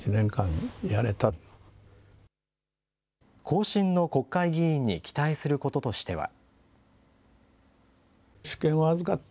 後進の国会議員に期待することとしては。